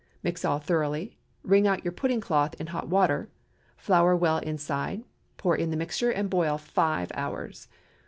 Mix all thoroughly; wring out your pudding cloth in hot water; flour well inside, pour in the mixture, and boil five hours.